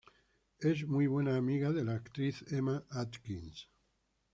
Es muy buena amiga de la actriz Emma Atkins.